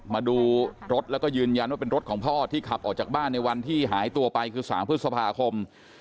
มาดูรถแล้วก็ยืนยันว่าเป็นรถของพ่อที่ขับออกจากบ้านในวันที่หายตัวไปคือ๓พฤษภาคม